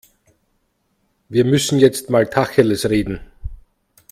Wir müssen jetzt mal Tacheles reden.